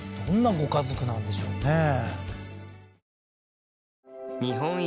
どんなご家族なんでしょうね